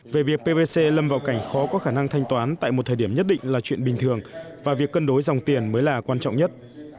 về việc pvc lâm vào cảnh khó có khả năng thanh toán tại một thời điểm nhất định là chuyện bình thường và việc cân đối dòng tiền mới là quan trọng nhất